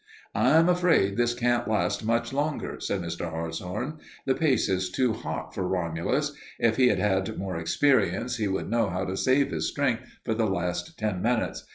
"I'm afraid this can't last much longer," said Mr. Hartshorn. "The pace is too hot for Romulus. If he had had more experience he would know how to save his strength for the last ten minutes.